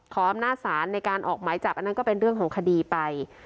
อำนาจศาลในการออกหมายจับอันนั้นก็เป็นเรื่องของคดีไป